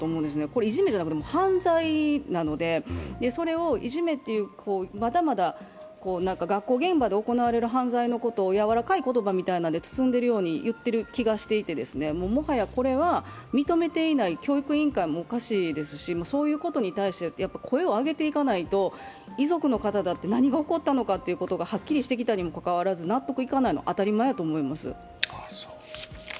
これいじめじゃなくて、犯罪なのでそれをいじめっていう、まだまだ学校現場で行われる犯罪のことをやわらかい言葉みたいなので包んで言っているような気がしてもはやこれは、認めていない教育委員会もおかしいですし、そういうことに対して、やっぱり声を上げていかないと遺族の方だって、何が起こったのかはっきりしてきたにもかかわらず、納得いかないのは当たり前やと思います。